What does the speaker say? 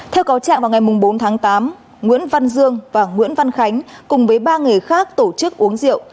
theo cáo trạng vào ngày bốn tháng tám nguyễn văn dương và nguyễn văn khánh cùng với ba người khác tổ chức uống rượu